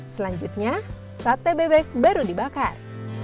selanjutnya sate bebek baru dibakar